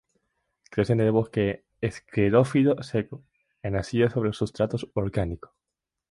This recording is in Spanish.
Crece en el bosque esclerófilo seco, en arcilla sobre sustrato volcánico.